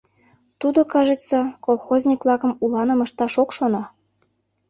Тудо, кажется, колхозник-влакым уланым ышташ ок шоно».